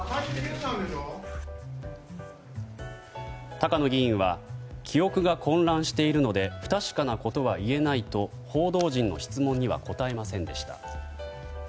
高野議員は記憶が混乱しているので不確かなことは言えないと報道陣の質問には答えませんでした。